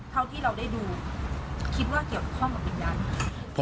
เท่าที่เราได้ดูคิดว่าเกี่ยวข้องกับวิญญาณ